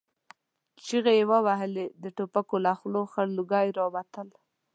چيغې يې وهلې، د ټوپکو له خولو خړ لوګي را وتل.